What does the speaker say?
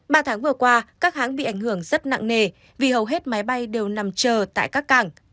ba tháng vừa qua các hãng bị ảnh hưởng rất nặng nề vì hầu hết máy bay đều nằm chờ tại các cảng